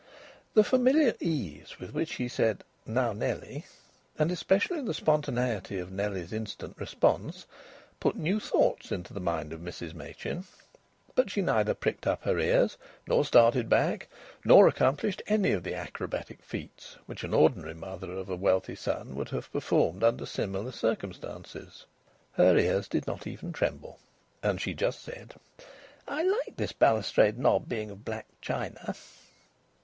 The familiar ease with which he said, "Now, Nellie," and especially the spontaneity of Nellie's instant response, put new thoughts into the mind of Mrs Machin. But she neither pricked up her ears, nor started back, nor accomplished any of the acrobatic feats which an ordinary mother of a wealthy son would have performed under similar circumstances. Her ears did not even tremble. And she just said: "I like this balustrade knob being of black china."